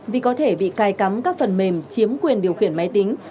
vì có thể bị cài cắm các phần mềm chiếm quyền điều khiển máy tính